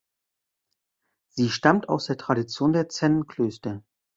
Sie stammt aus der Tradition der Zen-Klöster.